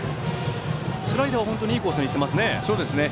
スライダーはいいコースにいっていますね。